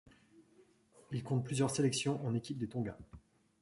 Il compte plusieurs sélections en équipe des Tonga.